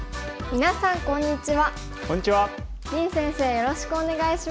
みなさんこんにちは。